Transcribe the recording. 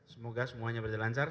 semoga semuanya berjalan car